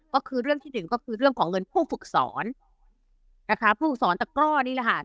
ก็คือเรื่องที่หนึ่งก็คือเรื่องของเงินผู้ฝึกสอนนะคะผู้ฝึกสอนตะกร่อนี่แหละค่ะ